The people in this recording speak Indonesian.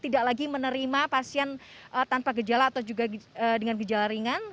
tidak lagi menerima pasien tanpa gejala atau juga dengan gejala ringan